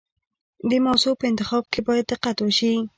د موضوع په انتخاب کې باید دقت وشي.